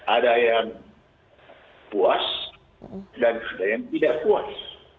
ada yang puas dan ada yang tidak puas